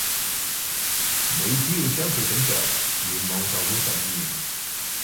你只要將佢整着願望就會實現